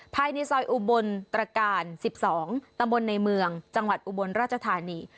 ภายในซอยอุบลตรการ๑๒ตำบลในเมืองจังหวัดอุบลราชธานี